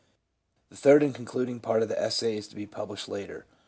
The third and concluding part of the essay is to be pub lished later.